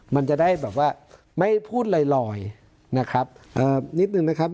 มันจะได้แบบว่าไม่พูดลอยลอยนะครับเอ่อนิดนึงนะครับ